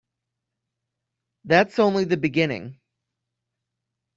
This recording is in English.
That's only the beginning.